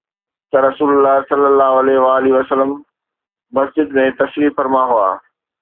ته رسول الله صلي الله عليه وآله وسلم مسجد ۾ تشریف فرما هئا